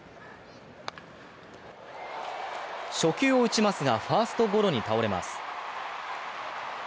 初球を打ちますが、ファーストゴロに倒れます。